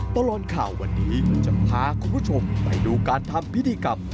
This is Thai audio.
ตลอดข่าววันนี้จะพาคุณผู้ชมไปดูการทำพิธีกรรม